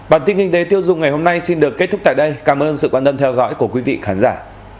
bản tin kinh tế tiêu dùng ngày hôm nay xin được kết thúc tại đây cảm ơn sự quan tâm theo dõi của quý vị khán giả